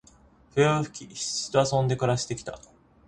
笛を吹き、羊と遊んで暮して来た。